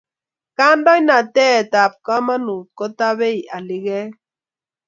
Kandoinatet tab kamanut kota bei alikek